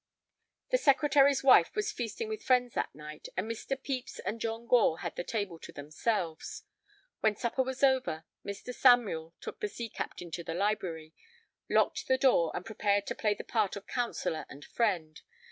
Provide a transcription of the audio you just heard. The Secretary's wife was feasting with friends that night, and Mr. Pepys and John Gore had the table to themselves. When supper was over, Mr. Samuel took the sea captain to the library, locked the door, and prepared to play the part of counsellor and friend.